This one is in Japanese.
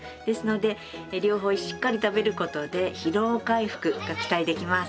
ですので両方しっかり食べる事で疲労回復が期待できます。